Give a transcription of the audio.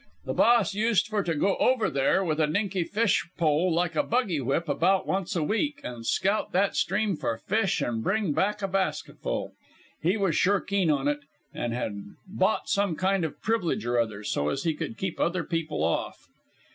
The Boss used for to go over there with a dinky fish pole like a buggy whip about once a week, and scout that stream for fish and bring back a basketful. He was sure keen on it, and had bought some kind of privilege or other, so as he could keep other people off.